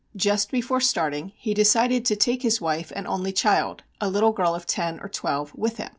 Just before starting he decided to take his wife and only child, a little girl of ten or twelve, with him.